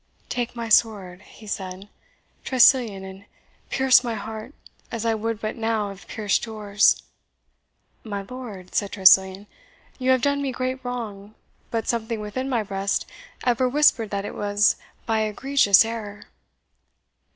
"Take my sword," he said, "Tressilian, and pierce my heart, as I would but now have pierced yours!" "My lord," said Tressilian, "you have done me great wrong, but something within my breast ever whispered that it was by egregious error."